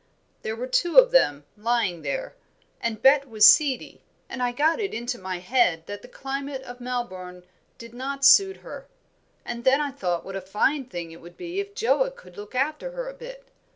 There were two of them lying there, and Bet was seedy, and I got it into my head that the climate of Melbourne did not suit her; and then I thought what a fine thing it would be if Joa could look after her a bit.